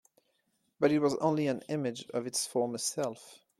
But it was only an image of its former self.